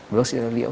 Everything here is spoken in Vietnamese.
bác sĩ giá liệu